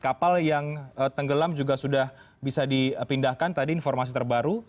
kapal yang tenggelam juga sudah bisa dipindahkan tadi informasi terbaru